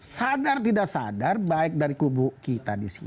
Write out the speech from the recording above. sadar tidak sadar baik dari kubu kita di sini